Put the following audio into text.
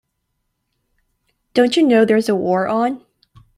Don't you know there's a war on?